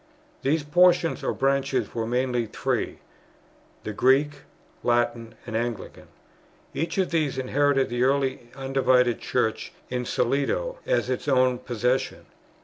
These portions or branches were mainly three: the Greek, Latin, and Anglican. Each of these inherited the early undivided Church in solido as its own possession.